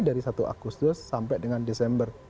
dari satu agustus sampai dengan desember